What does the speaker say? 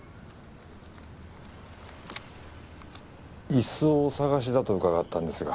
イスをお探しだと伺ったんですが。